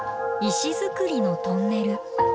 石造りのトンネル。